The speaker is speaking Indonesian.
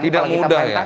tidak mudah ya